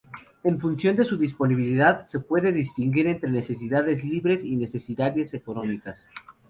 En función de su disponibilidad, se puede distinguir entre necesidades libres y necesidades económicas.